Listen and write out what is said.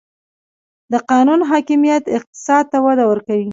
د قانون حاکمیت اقتصاد ته وده ورکوي؟